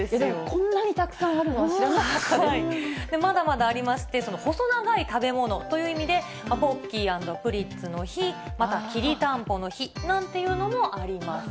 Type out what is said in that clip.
こんなにたくさんあるのは知まだまだありまして、細長い食べ物という意味で、ポッキー＆プリッツの日、またきりたんぽの日なんていうのもあります。